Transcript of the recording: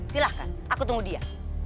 silahkan aku tunggu dia